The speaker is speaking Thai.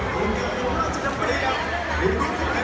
วันนี้ก็เป็นปีนี้